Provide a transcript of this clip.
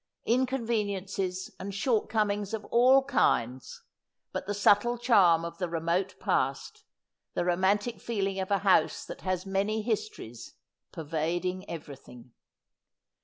137 inconveniences and shortcomings of all kinds, but the subtle charm of the remote past, the romantic feeling of a house that has many histories, pervading everything.